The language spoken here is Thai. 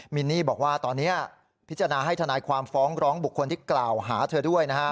มินนี่บอกว่าตอนนี้พิจารณาให้ทนายความฟ้องร้องบุคคลที่กล่าวหาเธอด้วยนะฮะ